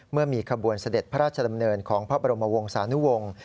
เมื่อมีขบวนเสด็จพระราชดำเนินของพระบรมวงศานุวงศ์